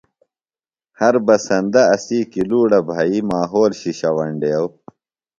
ہر بسندہ اسی کِلُوڑہ بھئ ماحول شِشہ ویننڈیو۔